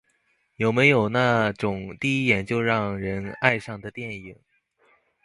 有没有那种第一眼就让人爱上的电影？